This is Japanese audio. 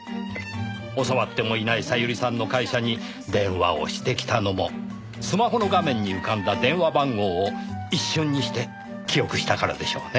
教わってもいない小百合さんの会社に電話をしてきたのもスマホの画面に浮かんだ電話番号を一瞬にして記憶したからでしょうねぇ。